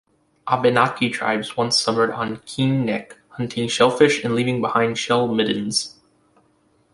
Abenaki tribes once summered on Keene Neck, hunting shellfish and leaving behind shell middens.